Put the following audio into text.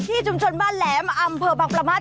ชุมชนบ้านแหลมอำเภอบังประมาท